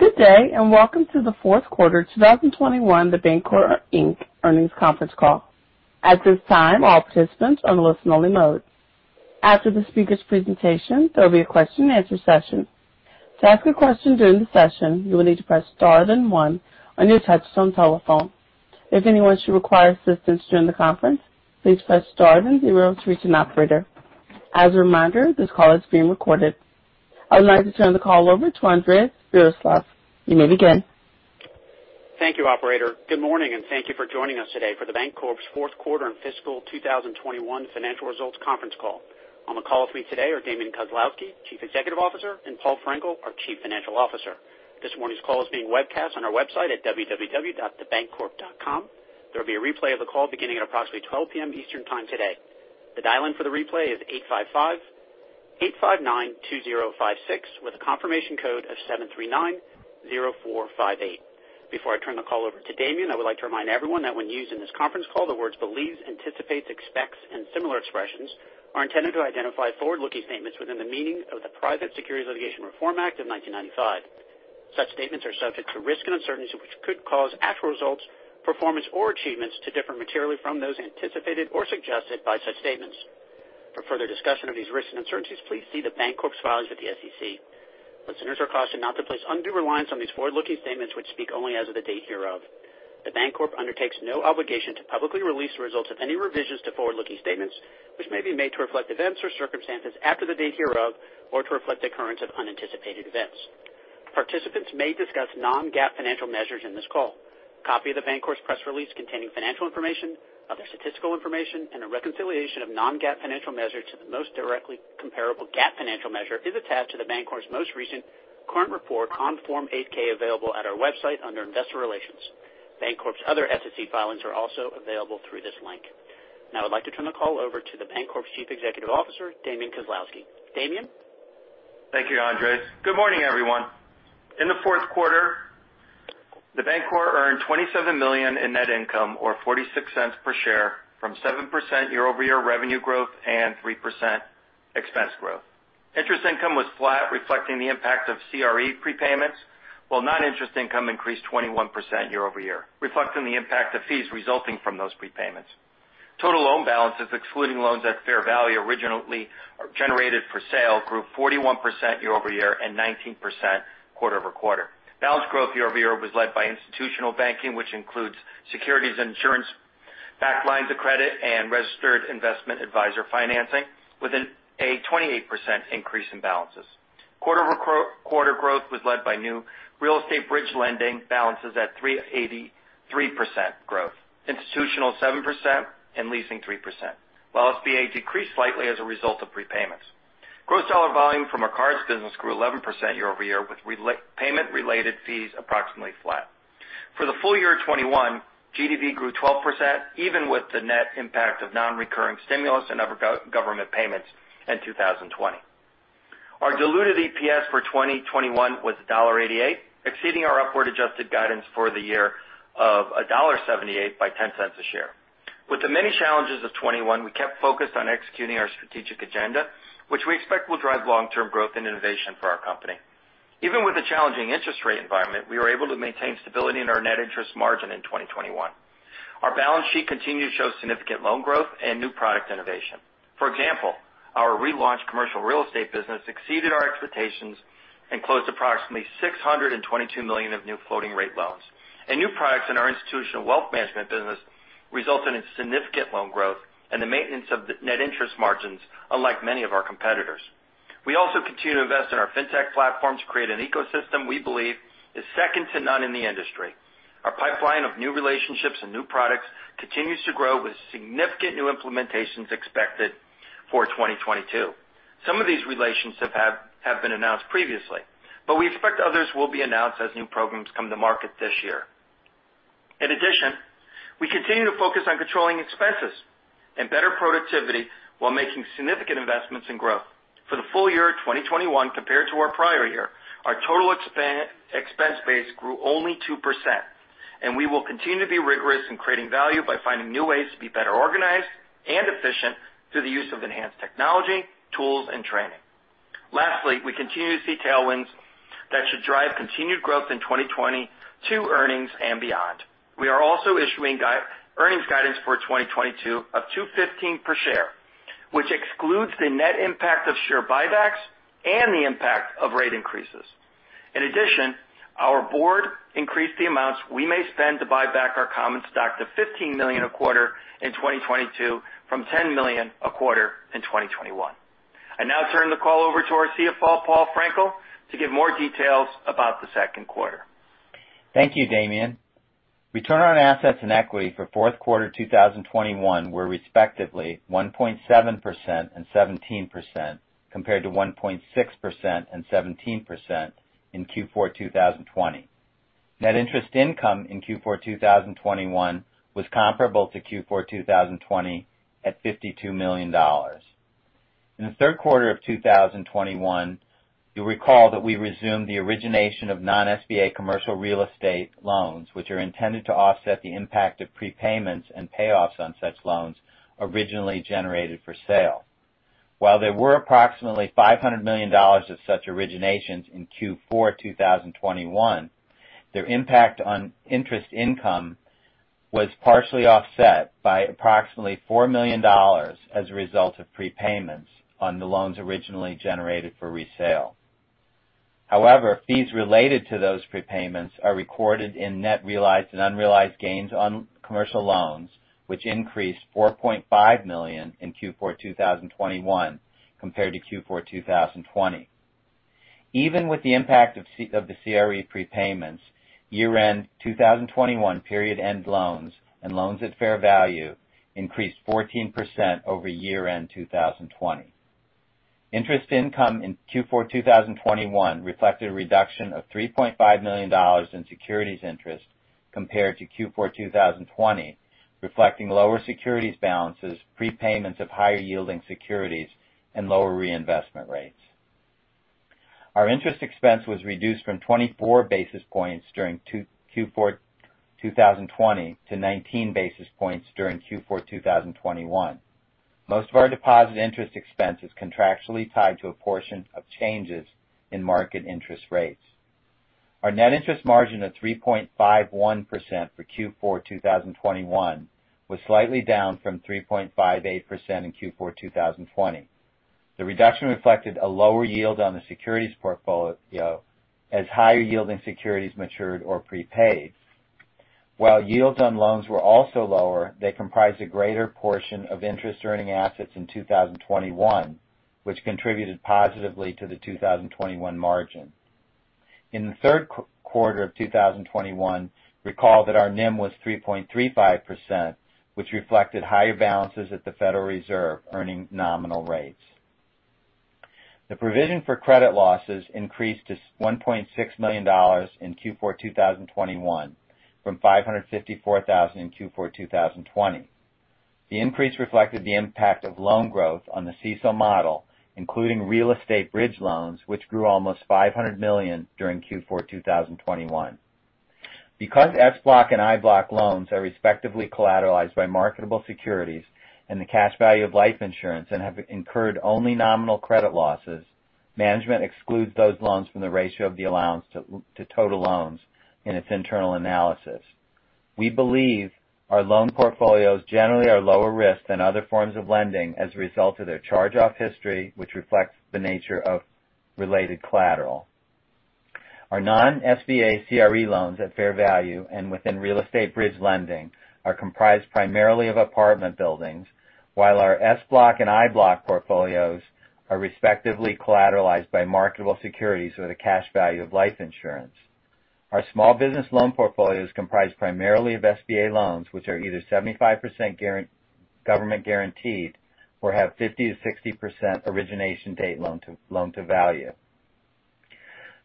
Good day, and welcome to the Fourth Quarter 2021 The Bancorp, Inc. earnings conference call. At this time, all participants are in listen only mode. After the speaker's presentation, there will be a question-and-answer session. To ask a question during the session, you will need to press star then one on your touchtone telephone. If anyone should require assistance during the conference, please press star then zero to reach an operator. As a reminder, this call is being recorded. I would like to turn the call over to Andres Viroslav. You may begin. Thank you, operator. Good morning, and thank you for joining us today for The Bancorp's Fourth Quarter and Fiscal 2021 Financial Results Conference Call. On the call with me today are Damian Kozlowski, Chief Executive Officer, and Paul Frenkiel, our Chief Financial Officer. This morning's call is being webcast on our website at www.thebancorp.com. There will be a replay of the call beginning at approximately 12:00 P.M. Eastern time today. The dial-in for the replay is 855-859-2056, with a confirmation code of 7390458. Before I turn the call over to Damian, I would like to remind everyone that when used in this conference call, the words believes, anticipates, expects and similar expressions are intended to identify forward-looking statements within the meaning of the Private Securities Litigation Reform Act of 1995. Such statements are subject to risks and uncertainties, which could cause actual results, performance or achievements to differ materially from those anticipated or suggested by such statements. For further discussion of these risks and uncertainties, please see The Bancorp's filings with the SEC. Listeners are cautioned not to place undue reliance on these forward-looking statements which speak only as of the date hereof. The Bancorp undertakes no obligation to publicly release the results of any revisions to forward-looking statements, which may be made to reflect events or circumstances after the date hereof or to reflect the occurrence of unanticipated events. Participants may discuss non-GAAP financial measures in this call. A copy of The Bancorp's press release containing financial information, other statistical information and a reconciliation of non-GAAP financial measure to the most directly comparable GAAP financial measure is attached to The Bancorp's most recent current report on Form 8-K available at our website under Investor Relations. Bancorp's other SEC filings are also available through this link. Now I'd like to turn the call over to The Bancorp's Chief Executive Officer, Damian Kozlowski. Damian. Thank you, Andres. Good morning, everyone. In the fourth quarter, The Bancorp earned $27 million in net income or $0.46 per share from 7% year-over-year revenue growth and 3% expense growth. Interest income was flat, reflecting the impact of CRE prepayments, while non-interest income increased 21% year-over-year, reflecting the impact of fees resulting from those prepayments. Total loan balances, excluding loans at fair value originally generated for sale, grew 41% year-over-year and 19% quarter-over-quarter. Balance growth year-over-year was led by institutional banking, which includes securities and insurance-backed lines of credit, and registered investment advisor financing with a 28% increase in balances. Quarter-over-quarter growth was led by new real estate bridge lending balances at 383% growth, institutional 7% and leasing 3%. SBA decreased slightly as a result of prepayments. Gross dollar volume from our cards business grew 11% year-over-year, with payment-related fees approximately flat. For the full year 2021, GDV grew 12%, even with the net impact of non-recurring stimulus and other government payments in 2020. Our diluted EPS for 2021 was $1.88, exceeding our upward adjusted guidance for the year of $1.78 by $0.10 a share. With the many challenges of 2021, we kept focused on executing our strategic agenda, which we expect will drive long-term growth and innovation for our company. Even with the challenging interest rate environment, we were able to maintain stability in our net interest margin in 2021. Our balance sheet continued to show significant loan growth and new product innovation. For example, our relaunched commercial real estate business exceeded our expectations and closed approximately $622 million of new floating rate loans. New products in our institutional wealth management business resulted in significant loan growth and the maintenance of the net interest margins, unlike many of our competitors. We also continue to invest in our fintech platform to create an ecosystem we believe is second to none in the industry. Our pipeline of new relationships and new products continues to grow, with significant new implementations expected for 2022. Some of these relationships have been announced previously, but we expect others will be announced as new programs come to market this year. In addition, we continue to focus on controlling expenses and better productivity while making significant investments in growth. For the full year 2021 compared to our prior year, our total expense base grew only 2%, and we will continue to be rigorous in creating value by finding new ways to be better organized and efficient through the use of enhanced technology, tools and training. Lastly, we continue to see tailwinds that should drive continued growth in 2022 earnings and beyond. We are also issuing earnings guidance for 2022 of $2.15 per share, which excludes the net impact of share buybacks and the impact of rate increases. In addition, our board increased the amounts we may spend to buy back our common stock to $15 million a quarter in 2022 from $10 million a quarter in 2021. I now turn the call over to our CFO, Paul Frenkiel, to give more details about the second quarter. Thank you, Damian. Return on assets and equity for fourth quarter 2021 were respectively 1.7% and 17%, compared to 1.6% and 17% in Q4 2020. Net interest income in Q4 2021 was comparable to Q4 2020 at $52 million. In the third quarter of 2021, you'll recall that we resumed the origination of non-SBA commercial real estate loans, which are intended to offset the impact of prepayments and payoffs on such loans originally generated for sale. While there were approximately $500 million of such originations in Q4 2021, their impact on interest income was partially offset by approximately $4 million as a result of prepayments on the loans originally generated for resale. However, fees related to those prepayments are recorded in net realized and unrealized gains on commercial loans, which increased $4.5 million in Q4 2021 compared to Q4 2020. Even with the impact of the CRE prepayments, year-end 2021 period-end loans and loans at fair value increased 14% over year-end 2020. Interest income in Q4 2021 reflected a reduction of $3.5 million in securities interest compared to Q4 2020, reflecting lower securities balances, prepayments of higher yielding securities, and lower reinvestment rates. Our interest expense was reduced from 24 basis points during Q4 2020 to 19 basis points during Q4 2021. Most of our deposit interest expense is contractually tied to a portion of changes in market interest rates. Our net interest margin of 3.51% for Q4 2021 was slightly down from 3.58% in Q4 2020. The reduction reflected a lower yield on the securities portfolio as higher yielding securities matured or prepaid. While yields on loans were also lower, they comprised a greater portion of interest earning assets in 2021, which contributed positively to the 2021 margin. In the third quarter of 2021, recall that our NIM was 3.35%, which reflected higher balances at the Federal Reserve earning nominal rates. The provision for credit losses increased to $1.6 million in Q4 2021 from $554,000 in Q4 2020. The increase reflected the impact of loan growth on the CECL model, including real estate bridge loans, which grew almost $500 million during Q4 2021. Because SBLOC and IBLOC loans are respectively collateralized by marketable securities and the cash value of life insurance and have incurred only nominal credit losses, management excludes those loans from the ratio of the allowance to total loans in its internal analysis. We believe our loan portfolios generally are lower risk than other forms of lending as a result of their charge-off history, which reflects the nature of related collateral. Our non-SBA CRE loans at fair value and within real estate bridge lending are comprised primarily of apartment buildings, while our SBLOC and IBLOC portfolios are respectively collateralized by marketable securities or the cash value of life insurance. Our small business loan portfolio is comprised primarily of SBA loans, which are either 75% government guaranteed or have 50%-60% origination date loan to value.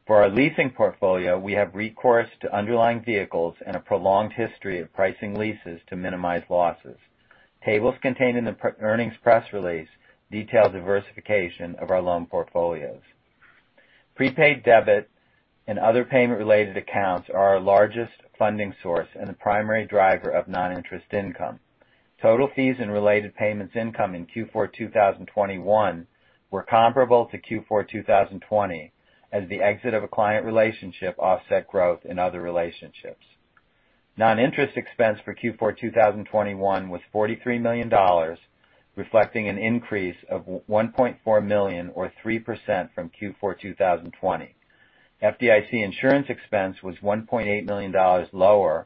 For our leasing portfolio, we have recourse to underlying vehicles and a prolonged history of pricing leases to minimize losses. Tables contained in the earnings press release detail diversification of our loan portfolios. Prepaid debit and other payment related accounts are our largest funding source and the primary driver of non-interest income. Total fees and related payments income in Q4 2021 were comparable to Q4 2020 as the exit of a client relationship offset growth in other relationships. Non-interest expense for Q4 2021 was $43 million, reflecting an increase of $1.4 million or 3% from Q4 2020. FDIC insurance expense was $1.8 million lower,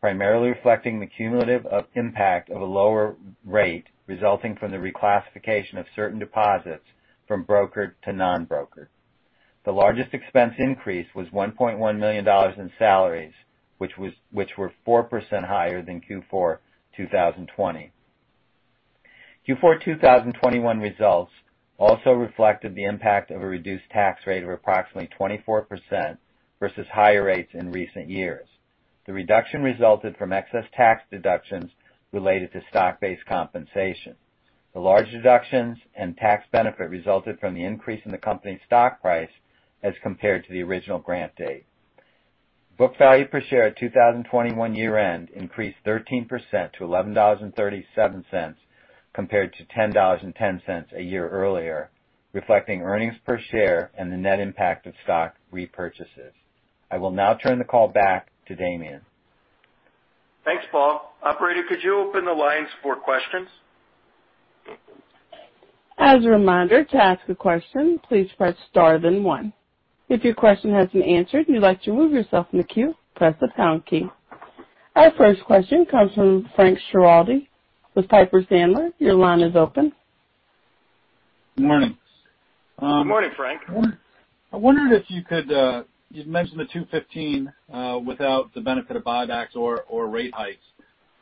primarily reflecting the cumulative impact of a lower rate resulting from the reclassification of certain deposits from brokered to non-brokered. The largest expense increase was $1.1 million in salaries, which were 4% higher than Q4 2020. Q4 2021 results also reflected the impact of a reduced tax rate of approximately 24% versus higher rates in recent years. The reduction resulted from excess tax deductions related to stock-based compensation. The large deductions and tax benefit resulted from the increase in the company's stock price as compared to the original grant date. Book value per share at 2021 year-end increased 13% to $11.37 compared to $10.10 a year earlier, reflecting earnings per share and the net impact of stock repurchases. I will now turn the call back to Damian. Thanks, Paul. Operator, could you open the lines for questions? As a reminder, to ask a question, please press star then one. If your question hasn't been answered and you'd like to join yourself in the queue, press the pound key. Our first question comes from Frank Schiraldi with Piper Sandler. Your line is open. Morning. Good morning, Frank. You'd mentioned the 2.15 without the benefit of buybacks or rate hikes.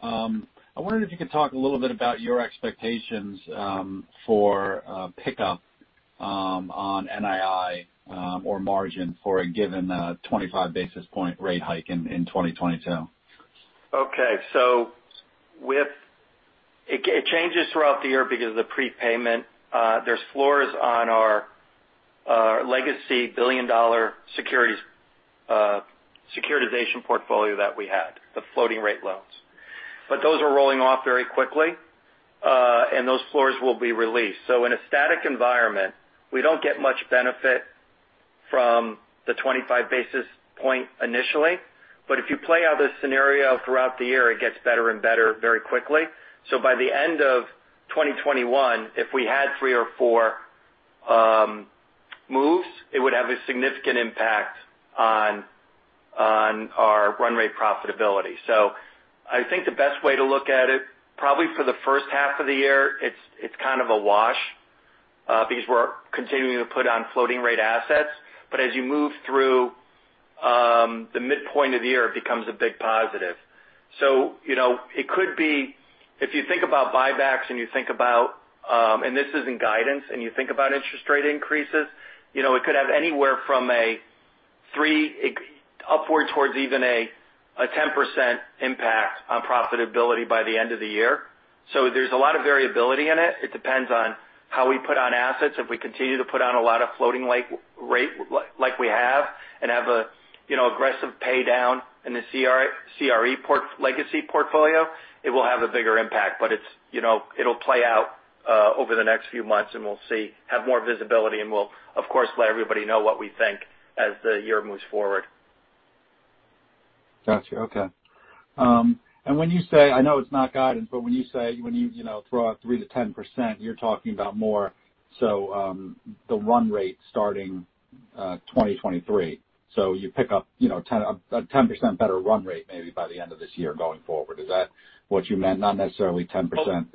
I wondered if you could talk a little bit about your expectations for pickup on NII or margin for a given 25 basis point rate hike in 2022. Okay. So with... It changes throughout the year because of the prepayment. There's floors on our legacy billion-dollar securitization portfolio that we had, the floating rate loans. Those are rolling off very quickly, and those floors will be released. In a static environment, we don't get much benefit from the 25 basis points initially, but if you play out this scenario throughout the year, it gets better and better very quickly. By the end of 2021, if we had three or four moves, it would have a significant impact on our run rate profitability. I think the best way to look at it, probably for the first half of the year, it's kind of a wash, because we're continuing to put on floating rate assets. As you move through the midpoint of the year, it becomes a big positive. You know, it could be if you think about buybacks and you think about, and this is in guidance, and you think about interest rate increases. You know, it could have anywhere from 3%-10% impact on profitability by the end of the year. There's a lot of variability in it. It depends on how we put on assets. If we continue to put on a lot of floating rate, like we have and have, you know, aggressive pay down in the CRE legacy portfolio, it will have a bigger impact. It's, you know, it'll play out over the next few months, and we'll see. We'll have more visibility, and we'll of course let everybody know what we think as the year moves forward. Got you. Okay. When you say I know it's not guidance, but when you know, throw out 3%-10%, you're talking about more so the run rate starting 2023. You pick up, you know, a 10% better run rate maybe by the end of this year going forward. Is that what you meant? Not necessarily 10%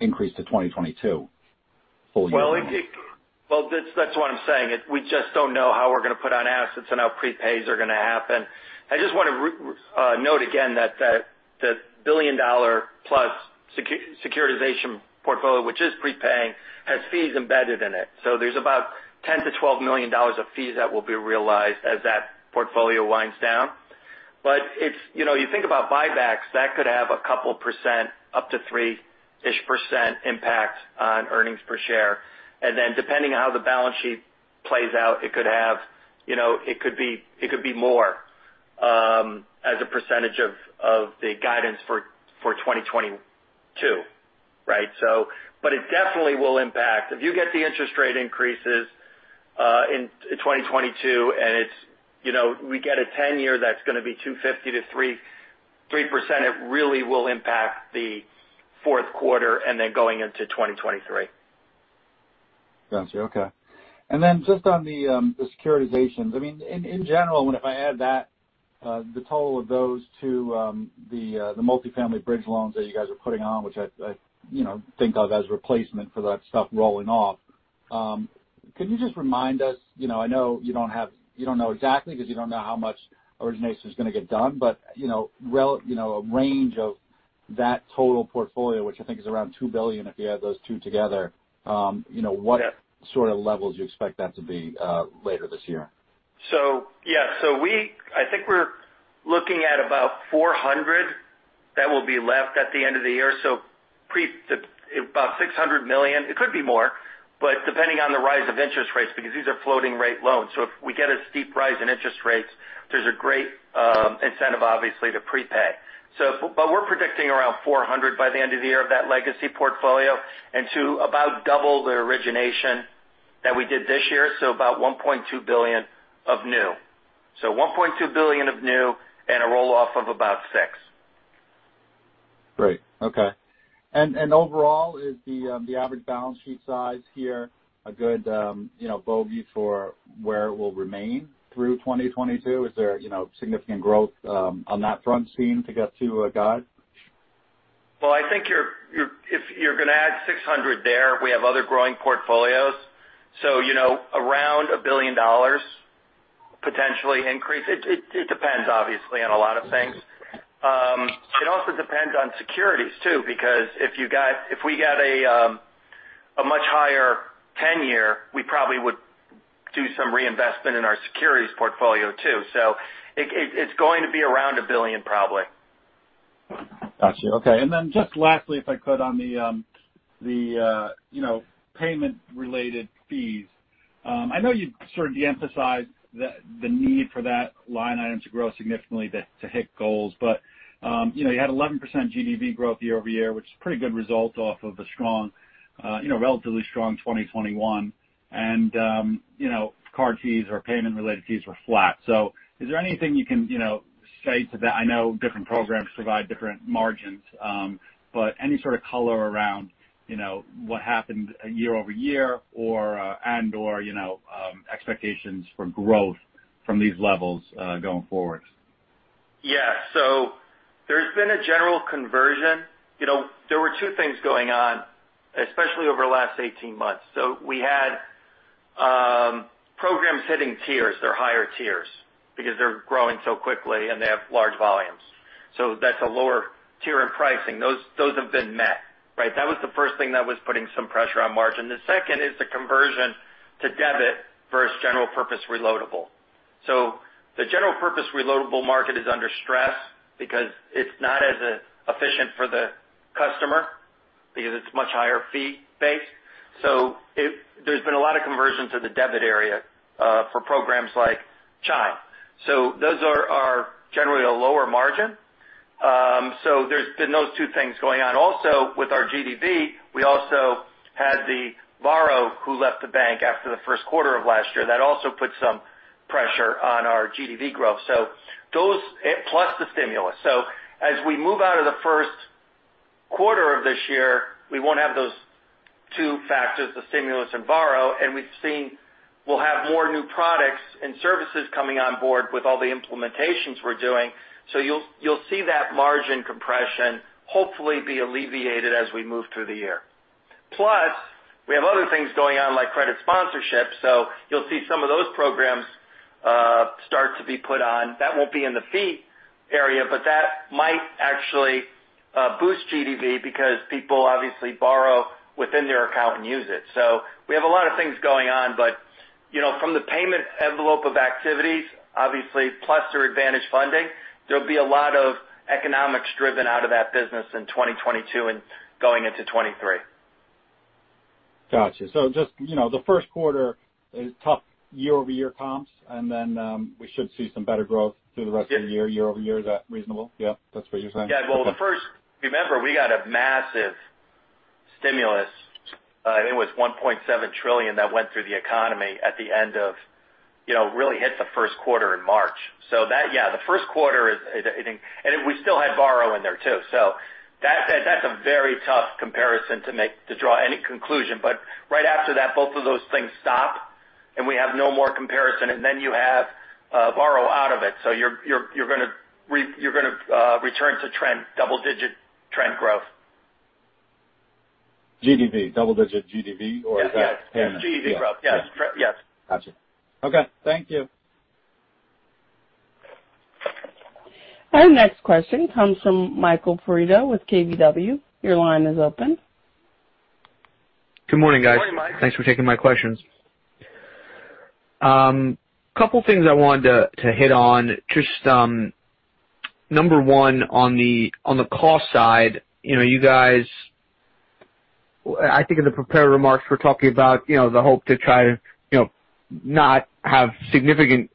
increase to 2022 full year. That's what I'm saying. We just don't know how we're going to put on assets and how prepays are going to happen. I just want to note again that the billion-dollar plus securitization portfolio, which is prepaying, has fees embedded in it. There's about $10 million-$12 million of fees that will be realized as that portfolio winds down. If, you know, you think about buybacks, that could have a couple percent, up to 3-ish% impact on earnings per share. Depending on how the balance sheet plays out, it could have, you know, it could be more, as a percentage of the guidance for 2022, right? It definitely will impact. If you get the interest rate increases in 2022, and it's, we get a 10-year, that's gonna be 2.50%-3.3%, it really will impact the fourth quarter and then going into 2023. Got you. Okay. Just on the securitizations. I mean, in general, when I add the total of those two, the multifamily bridge loans that you guys are putting on, which I you know think of as replacement for that stuff rolling off, can you just remind us, you know, I know you don't know exactly because you don't know how much origination is gonna get done. You know, a range of that total portfolio, which I think is around $2 billion, if you add those two together, you know, what sort of levels you expect that to be later this year? I think we're looking at about $400 million that will be left at the end of the year. About $600 million. It could be more, but depending on the rise of interest rates, because these are floating rate loans. If we get a steep rise in interest rates, there's a great incentive obviously to prepay. But we're predicting around $400 million by the end of the year of that legacy portfolio and to about double the origination that we did this year. About $1.2 billion of new. $1.2 billion of new and a roll-off of about $600 million. Great. Okay. Overall, is the average balance sheet size here a good, you know, bogey for where it will remain through 2022? Is there, you know, significant growth on that front seen to get to a guide? Well, I think if you're gonna add 600 there, we have other growing portfolios. You know, around $1 billion potential increase. It depends obviously on a lot of things. It also depends on securities too, because if we get a much higher 10-year, we probably would do some reinvestment in our securities portfolio too. It's going to be around $1 billion probably. Got you. Okay. Just lastly, if I could on the, you know, payment-related fees. I know you sort of de-emphasized the need for that line item to grow significantly to hit goals. You know, you had 11% GDV growth year over year, which is pretty good results off of a strong, you know, relatively strong 2021. You know, card fees or payment-related fees were flat. Is there anything you can, you know, say to that? I know different programs provide different margins, but any sort of color around, you know, what happened year over year or and/or, you know, expectations for growth from these levels, going forward? Yeah. There's been a general conversion. You know, there were two things going on, especially over the last 18 months. We had programs hitting tiers or higher tiers because they're growing so quickly and they have large volumes. That's a lower tier in pricing. Those have been met, right? That was the first thing that was putting some pressure on margin. The second is the conversion to debit versus general purpose reloadable. The general purpose reloadable market is under stress because it's not as efficient for the customer. Because it's much higher fee based. There's been a lot of conversion to the debit area for programs like Chime. Those are generally a lower margin. There's been those two things going on. With our GDV, we also had the Brex who left the bank after the first quarter of last year. That also put some pressure on our GDV growth, those plus the stimulus. As we move out of the first quarter of this year, we won't have those two factors, the stimulus and Brex. We've seen we'll have more new products and services coming on board with all the implementations we're doing. You'll see that margin compression hopefully be alleviated as we move through the year. Plus, we have other things going on, like credit sponsorship. You'll see some of those programs start to be put on. That won't be in the fee area, but that might actually boost GDV because people obviously borrow within their account and use it. We have a lot of things going on. You know, from the payment envelope of activities, obviously, plus your advantage funding, there'll be a lot of economics driven out of that business in 2022 and going into 2023. Got you. Just, you know, the first quarter is tough year-over-year comps, and then, we should see some better growth through the rest of the year-over-year. Is that reasonable? Yeah, that's what you're saying? Yeah. Well, remember we got a massive stimulus. I think it was $1.7 trillion that went through the economy at the end of really hit the first quarter in March. The first quarter is, I think, and we still had Brex in there too. That's a very tough comparison to make to draw any conclusion. Right after that, both of those things stop and we have no more comparison. You have Brex out of it. You're gonna return to trend, double-digit trend growth. GDV, double digit GDV? Or is that Yes. GDV growth. Yes. Trend, yes. Got you. Okay. Thank you. Our next question comes from Michael Perito with KBW. Your line is open. Good morning, guys. Good morning, Mike. Thanks for taking my questions. A couple things I wanted to hit on. Just number one, on the cost side. You know, you guys, I think in the prepared remarks we're talking about, you know, the hope to try to, you know, not have significant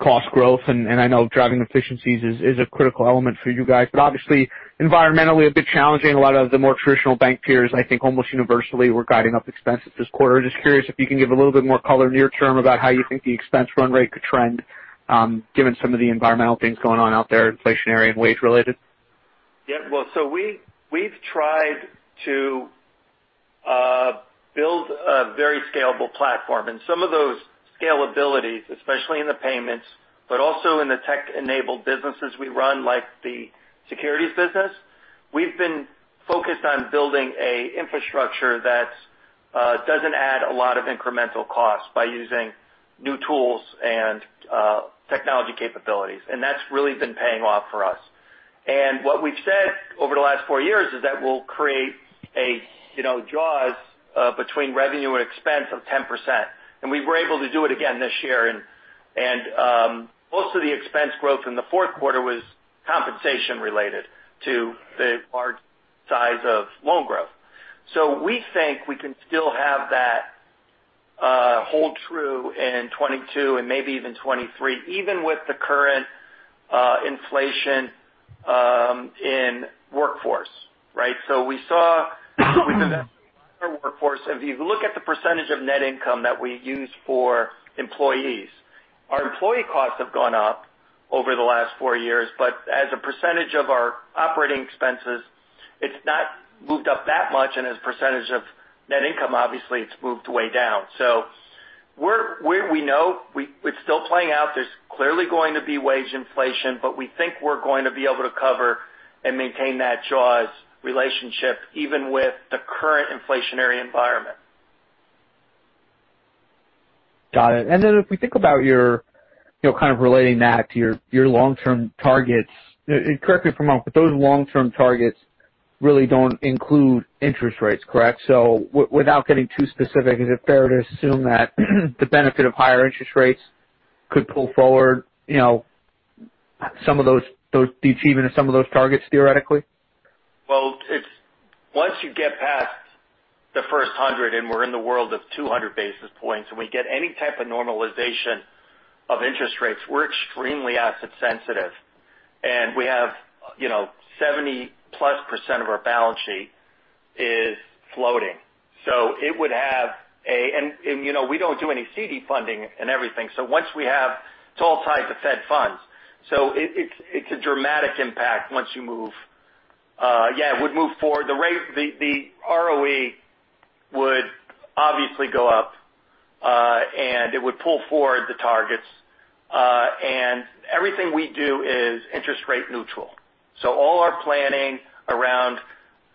cost growth. I know driving efficiencies is a critical element for you guys, but obviously environmentally a bit challenging. A lot of the more traditional bank peers I think almost universally were guiding up expenses this quarter. Just curious if you can give a little bit more color near term about how you think the expense run rate could trend, given some of the environmental things going on out there, inflationary and wage related. Yeah. Well, we've tried to build a very scalable platform and some of those scalabilities, especially in the payments, but also in the tech-enabled businesses we run, like the securities business. We've been focused on building an infrastructure that doesn't add a lot of incremental costs by using new tools and technology capabilities. And that's really been paying off for us. What we've said over the last four years is that we'll create a, you know, jaws between revenue and expense of 10%. We were able to do it again this year. Most of the expense growth in the fourth quarter was compensation related to the large size of loan growth. We think we can still have that hold true in 2022 and maybe even 2023, even with the current inflation in workforce, right? We saw with investment in our workforce, if you look at the percentage of net income that we use for employees, our employee costs have gone up over the last four years, but as a percentage of our operating expenses, it's not moved up that much. As percentage of net income obviously it's moved way down. We know it's still playing out. There's clearly going to be wage inflation, but we think we're going to be able to cover and maintain that jaws relationship even with the current inflationary environment. Got it. If we think about your, you know, kind of relating that to your long-term targets, correct me if I'm wrong, but those long-term targets really don't include interest rates. Correct? Without getting too specific, is it fair to assume that the benefit of higher interest rates could pull forward, you know, some of those the achievement of some of those targets, theoretically? Well, it's once you get past the first 100 and we're in the world of 200 basis points and we get any type of normalization of interest rates, we're extremely asset sensitive. We have, you know, 70%+ of our balance sheet is floating. You know, we don't do any CD funding and everything, so once we have it's all tied to Fed funds. It's a dramatic impact once you move. Yeah, it would move forward. The ROE would obviously go up, and it would pull forward the targets. Everything we do is interest rate neutral. All our planning around,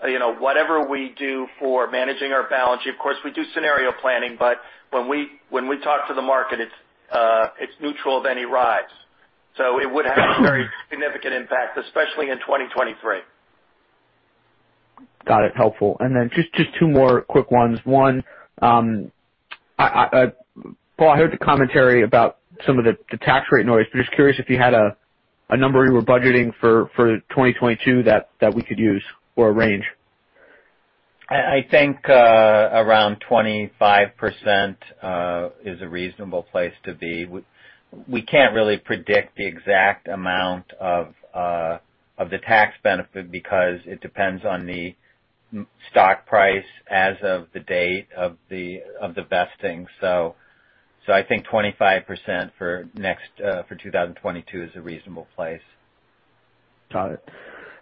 you know, whatever we do for managing our balance sheet, of course we do scenario planning, but when we talk to the market, it's neutral of any rise. It would have a very significant impact, especially in 2023. Got it. Helpful. Just two more quick ones. One, Paul, I heard the commentary about some of the tax rate noise. Just curious if you had a number you were budgeting for 2022 that we could use or a range. I think around 25% is a reasonable place to be. We can't really predict the exact amount of the tax benefit because it depends on the stock price as of the date of the vesting. I think 25% for next, for 2022 is a reasonable place. Got it.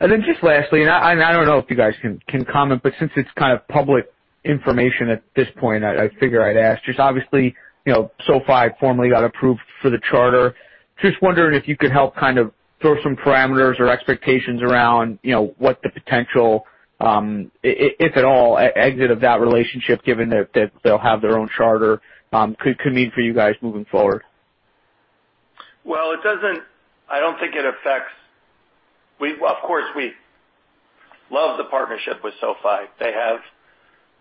Just lastly, I don't know if you guys can comment, but since it's kind of public information at this point, I figure I'd ask. Just obviously, you know, SoFi formally got approved for the charter. Just wondering if you could help kind of throw some parameters or expectations around, you know, what the potential, if at all, exit of that relationship, given that they'll have their own charter, could mean for you guys moving forward? Well, it doesn't. I don't think it affects. Of course, we love the partnership with SoFi. They have,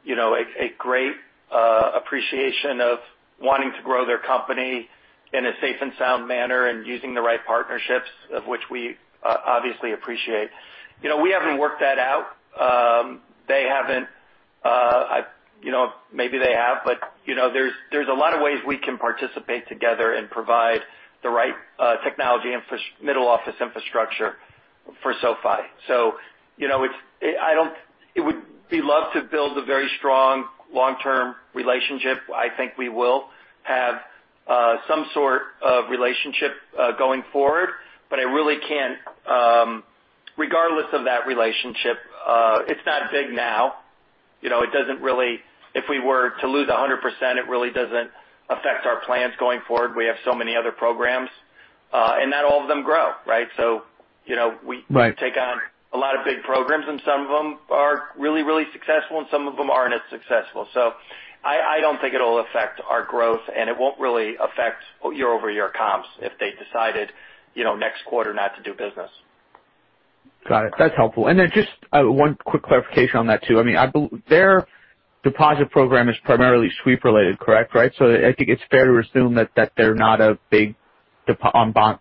you know, a great appreciation of wanting to grow their company in a safe and sound manner and using the right partnerships, of which we obviously appreciate. You know, we haven't worked that out. They haven't, you know, maybe they have, but, you know, there's a lot of ways we can participate together and provide the right technology middle office infrastructure for SoFi. You know, it's. We'd love to build a very strong long-term relationship. I think we will have some sort of relationship going forward, but I really can't. Regardless of that relationship, it's not big now. You know, it doesn't really. If we were to lose 100%, it really doesn't affect our plans going forward. We have so many other programs, and not all of them grow, right? You know, we- Right. We take on a lot of big programs, and some of them are really, really successful, and some of them aren't as successful. I don't think it'll affect our growth, and it won't really affect year-over-year comps if they decided, you know, next quarter not to do business. Got it. That's helpful. Just one quick clarification on that too. I mean, their deposit program is primarily sweep-related, correct? Right. I think it's fair to assume that they're not a big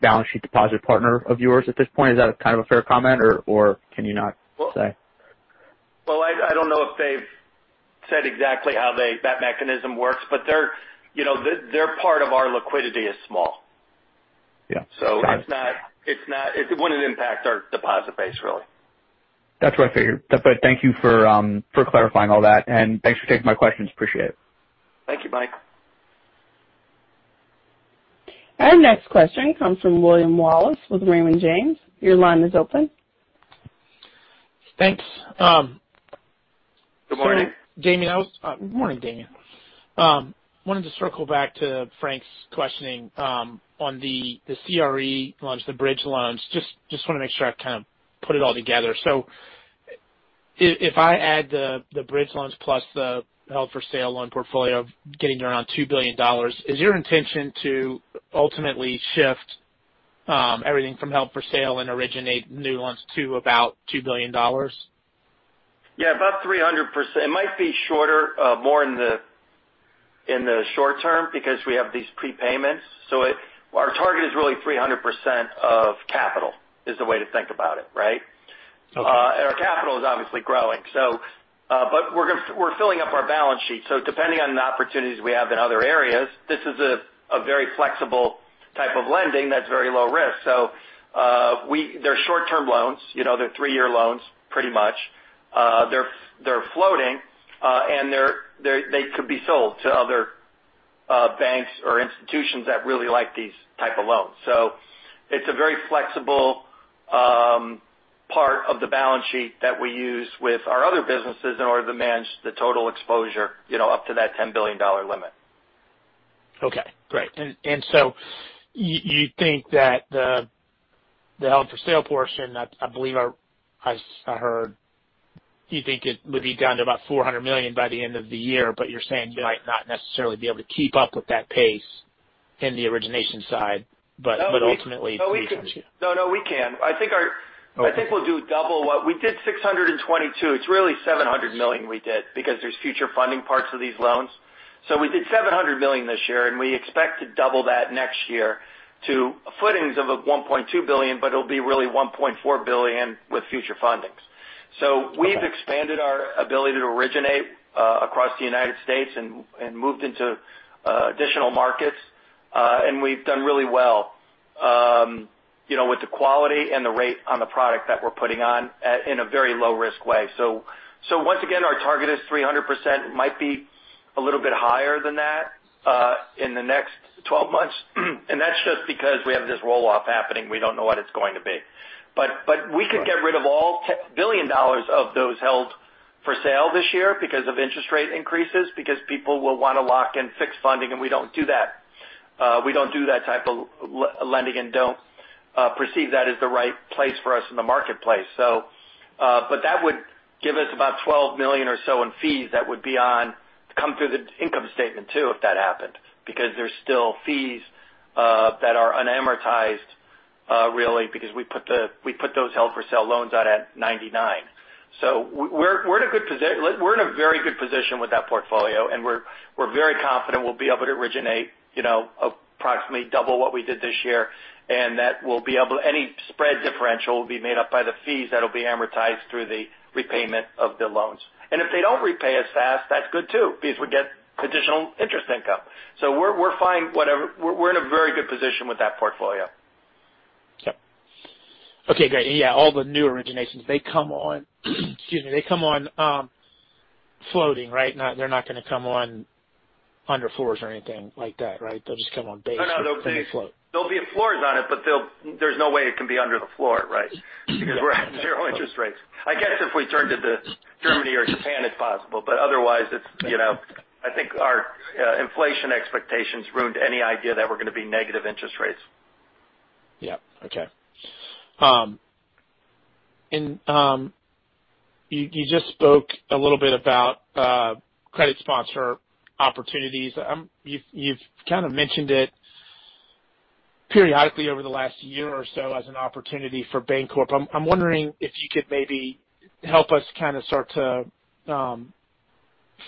balance sheet deposit partner of yours at this point. Is that kind of a fair comment or can you not say? Well, I don't know if they've said exactly how that mechanism works, but their, you know, their part of our liquidity is small. Yeah. It's not, it wouldn't impact our deposit base, really. That's what I figured. Thank you for clarifying all that, and thanks for taking my questions. Appreciate it. Thank you, Mike. Our next question comes from William Wallace with Raymond James. Your line is open. Thanks. Good morning. Damian, good morning, Damian. Wanted to circle back to Frank's questioning on the CRE loans, the bridge loans. Just wanna make sure I kind of put it all together. If I add the bridge loans plus the held for sale loan portfolio getting around $2 billion, is your intention to ultimately shift everything from held for sale and originate new loans to about $2 billion? Yeah, about 300%. It might be shorter, more in the short term because we have these prepayments. Our target is really 300% of capital, is the way to think about it, right? Okay. Our capital is obviously growing. We're filling up our balance sheet. Depending on the opportunities we have in other areas, this is a very flexible type of lending that's very low risk. They're short-term loans, you know. They're three-year loans, pretty much. They could be sold to other banks or institutions that really like these type of loans. It's a very flexible part of the balance sheet that we use with our other businesses in order to manage the total exposure, you know, up to that $10 billion limit. Okay. Great. You think that the held for sale portion. I heard you think it would be down to about $400 million by the end of the year, but you're saying you might not necessarily be able to keep up with that pace in the origination side, but- No, we- Ultimately it reaches you. No, we can. I think our... I think we'll do double what we did. 622. It's really $700 million we did because there's future funding parts of these loans. We did $700 million this year, and we expect to double that next year to footings of $1.2 billion, but it'll be really $1.4 billion with future fundings. We've expanded our ability to originate across the United States and moved into additional markets. We've done really well, you know, with the quality and the rate on the product that we're putting on in a very low risk way. Once again, our target is 300%. Might be a little bit higher than that in the next 12 months, and that's just because we have this roll-off happening. We don't know what it's going to be. We could get rid of all the $1 billion of those held-for-sale this year because of interest rate increases, because people will wanna lock in fixed funding, and we don't do that. We don't do that type of lending and don't perceive that as the right place for us in the marketplace. That would give us about $12 million or so in fees that would come through the income statement too, if that happened, because there's still fees that are unamortized, really because we put those held-for-sale loans out at 99. We're in a good position. Look, we're in a very good position with that portfolio, and we're very confident we'll be able to originate, you know, approximately double what we did this year. That we'll be able... Any spread differential will be made up by the fees that'll be amortized through the repayment of the loans. If they don't repay as fast, that's good too, because we get additional interest income. We're fine. Whatever. We're in a very good position with that portfolio. Yep. Okay, great. Yeah, all the new originations, they come on floating, right? They're not gonna come on under fours or anything like that, right? They'll just come on base- No. they float. There'll be floors on it, but they'll, there's no way it can be under the floor, right? Because we're at zero interest rates. I guess if we turn to Germany or Japan, it's possible, but otherwise it's, you know, I think our inflation expectations ruined any idea that we're gonna be negative interest rates. Yeah. Okay. You just spoke a little bit about credit sponsorship opportunities. You've kind of mentioned it periodically over the last year or so as an opportunity for Bancorp. I'm wondering if you could maybe help us kind of start to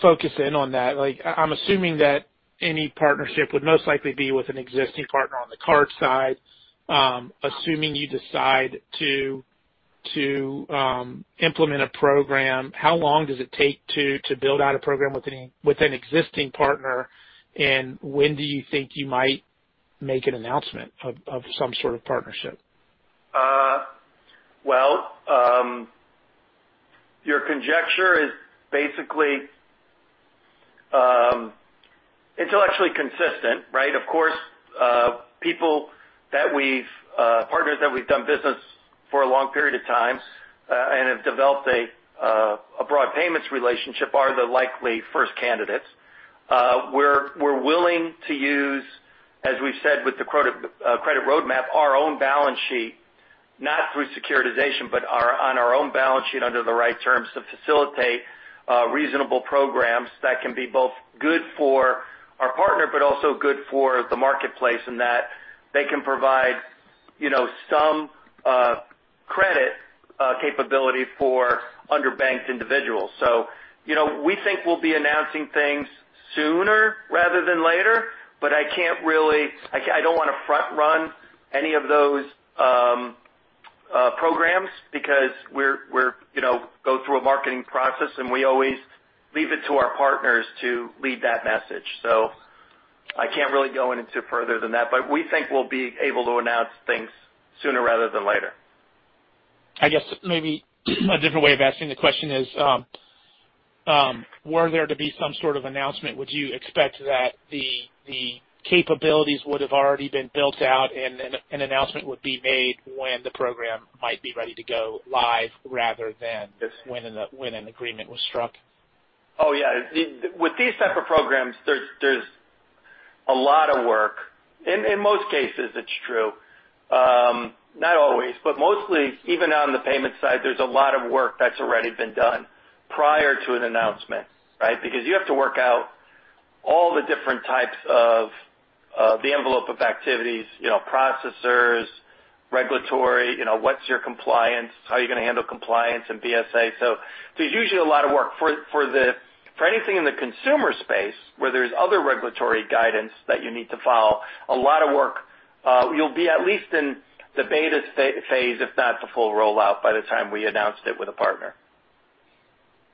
focus in on that. Like, I'm assuming that any partnership would most likely be with an existing partner on the card side. Assuming you decide to implement a program, how long does it take to build out a program with an existing partner? When do you think you might make an announcement of some sort of partnership? Well, your conjecture is basically intellectually consistent, right? Of course, partners that we've done business for a long period of time and have developed a broad payments relationship are the likely first candidates. We're willing to use, as we've said, with the credit roadmap, our own balance sheet, not through securitization, on our own balance sheet under the right terms to facilitate reasonable programs that can be both good for our partner but also good for the marketplace, and that they can provide, you know, some credit capability for underbanked individuals. You know, we think we'll be announcing things sooner rather than later, but I can't really. I don't wanna front run any of those programs because we're going through a marketing process, and we always leave it to our partners to lead that message. I can't really go into further than that, but we think we'll be able to announce things sooner rather than later. I guess maybe a different way of asking the question is, were there to be some sort of announcement, would you expect that the capabilities would have already been built out and an announcement would be made when the program might be ready to go live rather than when an agreement was struck? Oh, yeah. With these type of programs, there's a lot of work. In most cases, it's true. Not always, but mostly even on the payment side, there's a lot of work that's already been done prior to an announcement, right? Because you have to work out all the different types of the envelope of activities, you know, processors, regulatory, you know, what's your compliance, how are you gonna handle compliance and BSA. There's usually a lot of work. For anything in the consumer space where there's other regulatory guidance that you need to follow, a lot of work. You'll be at least in the beta phase, if not the full rollout, by the time we announced it with a partner.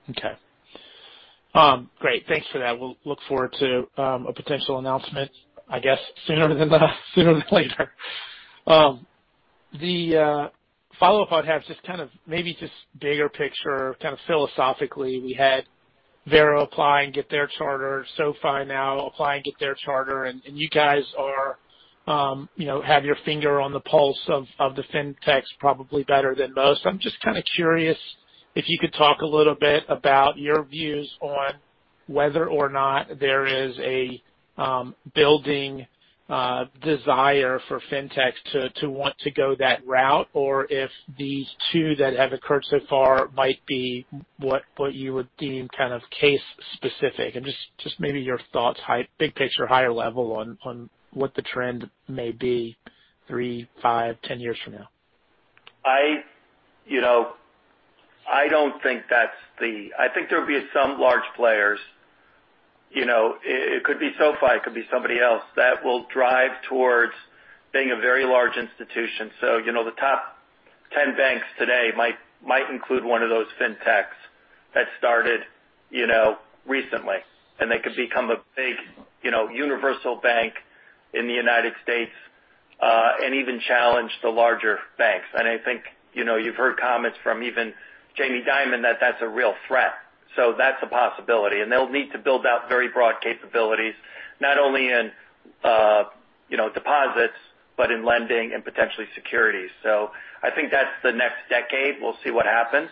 Okay. Great. Thanks for that. We'll look forward to a potential announcement, I guess sooner than later. The follow-up I'd have, just kind of maybe just bigger picture kind of philosophically. We had Varo apply and get their charter, SoFi now apply and get their charter, and you guys are, you know, have your finger on the pulse of the fintechs probably better than most. I'm just kind of curious if you could talk a little bit about your views on whether or not there is a building desire for fintechs to want to go that route or if these two that have occurred so far might be what you would deem kind of case specific and just maybe your thoughts, big picture, higher level on what the trend may be three, five, 10 years from now. I don't think that's the case. I think there'll be some large players. You know, it could be SoFi, it could be somebody else, that will drive towards being a very large institution. You know, the top ten banks today might include one of those fintechs that started, you know, recently, and they could become a big, you know, universal bank in the United States and even challenge the larger banks. I think, you know, you've heard comments from even Jamie Dimon that that's a real threat. That's a possibility. They'll need to build out very broad capabilities, not only in, you know, deposits, but in lending and potentially securities. I think that's the next decade. We'll see what happens.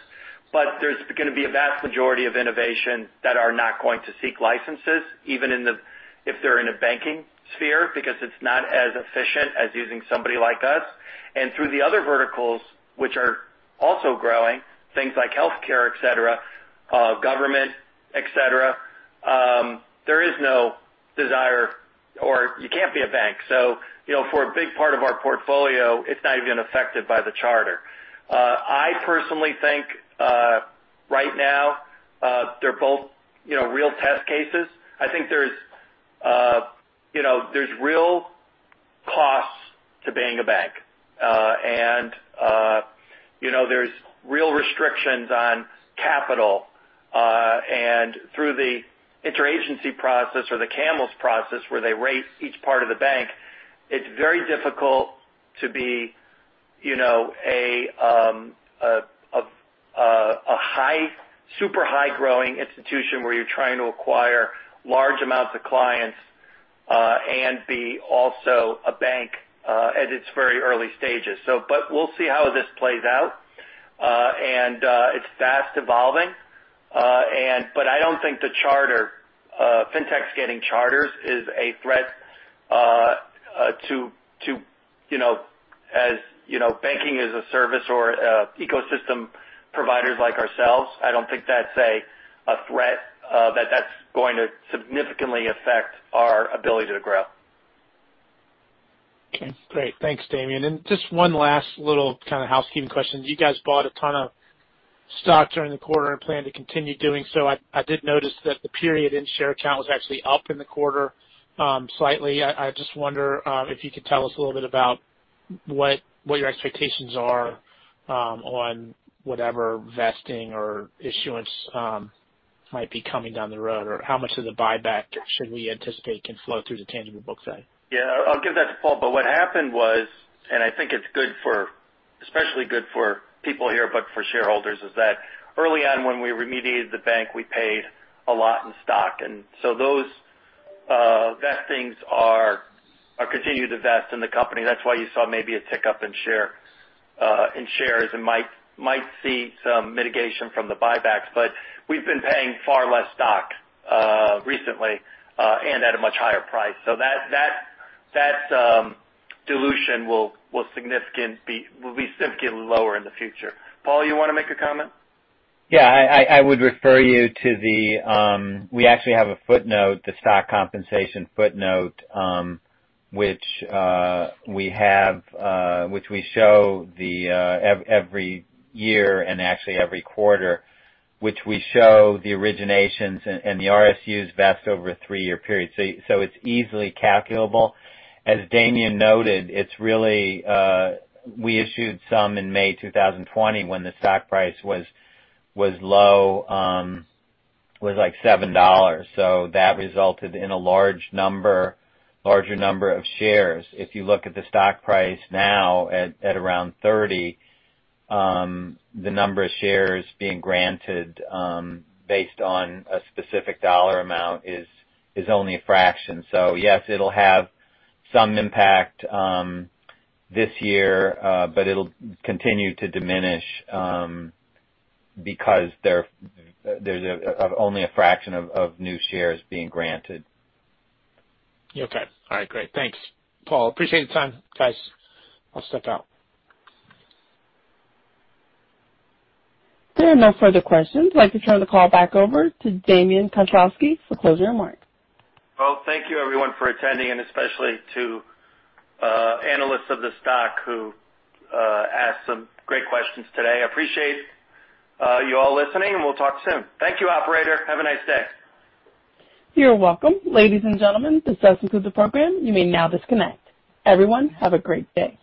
There's gonna be a vast majority of innovation that are not going to seek licenses, even if they're in a banking sphere, because it's not as efficient as using somebody like us. Through the other verticals, which are also growing, things like healthcare, et cetera, government, et cetera. There is no desire or you can't be a bank. You know, for a big part of our portfolio, it's not even affected by the charter. I personally think, right now, they're both, you know, real test cases. I think there's, you know, real costs to being a bank. You know, there's real restrictions on capital. Through the interagency process or the CAMELS process where they rate each part of the bank, it's very difficult to be, you know, a super high growing institution where you're trying to acquire large amounts of clients, and be also a bank at its very early stages. We'll see how this plays out. It's fast evolving. I don't think the charter, fintechs getting charters is a threat to you know, as you know, banking as a service or ecosystem providers like ourselves. I don't think that's a threat that's going to significantly affect our ability to grow. Okay, great. Thanks, Damian. Just one last little kind of housekeeping question. You guys bought a ton of stock during the quarter and plan to continue doing so. I did notice that the period-end share count was actually up in the quarter, slightly. I just wonder if you could tell us a little bit about what your expectations are on whatever vesting or issuance might be coming down the road, or how much of the buyback should we anticipate can flow through the tangible book side. I'll give that to Paul. What happened was, and I think it's good for, especially good for people here, but for shareholders, is that early on when we remediated the bank, we paid a lot in stock. Those vestings are continued to vest in the company. That's why you saw maybe a tick up in shares and might see some mitigation from the buybacks. We've been paying far less stock recently, and at a much higher price. That dilution will be significantly lower in the future. Paul, you wanna make a comment? We actually have a footnote, the stock compensation footnote, which we show every year and actually every quarter, which we show the originations and the RSUs vest over a three-year period. So it's easily calculable. As Damian noted, it's really, we issued some in May 2020 when the stock price was low, like $7. So that resulted in a larger number of shares. If you look at the stock price now at around $30, the number of shares being granted based on a specific dollar amount is only a fraction. So yes, it'll have some impact this year, but it'll continue to diminish because there's only a fraction of new shares being granted. Okay. All right, great. Thanks, Paul. Appreciate the time, guys. I'll step out. There are no further questions. I'd like to turn the call back over to Damian Kozlowski for closing remarks. Well, thank you everyone for attending and especially to analysts of the stock who asked some great questions today. Appreciate you all listening, and we'll talk soon. Thank you, operator. Have a nice day. You're welcome. Ladies and gentlemen, this does conclude the program. You may now disconnect. Everyone, have a great day.